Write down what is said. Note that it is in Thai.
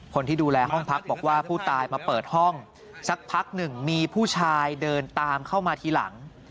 คนที่ดูแลห้องพักบอกว่าผู้ตายมาเปิดห้องสักพักหนึ่งมีผู้ชายเดินตามเข้ามาทีหลัง